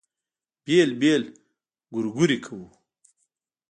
بېل بېل ګورګورې کوو.